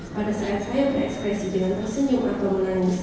pada saat saya berekspresi dengan tersenyum atau menangis